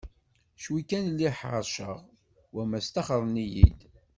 Cwi kan lliɣ ḥerceɣ wamma staxren-iyi-d.